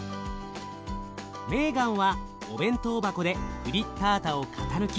メーガンはお弁当箱でフリッタータを型抜き。